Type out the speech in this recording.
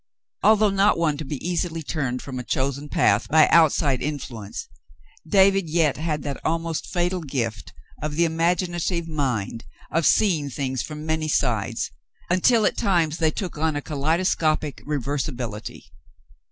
Although not one to be easily turned from a chosen path by outside influence, David yet had that almost fatal gift of the imaginative mind of seeing things from many sides, until at times they took on a kaleidoscopic reversibility.